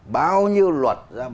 bao nhiêu luật ra bộ trường